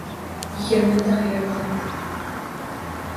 Yigirmata xiyobon